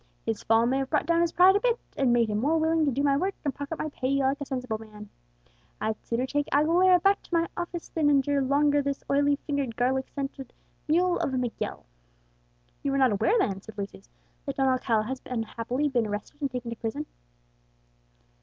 His fall may have brought down his pride a bit, and made him more willing to do my work and pocket my pay, like a sensible man. I'd sooner take Aguilera back to my office than endure longer this oily fingered, garlic scented mule of a Miguel." "You are not aware then," said Lucius, "that Don Alcala has unhappily been arrested and taken to prison."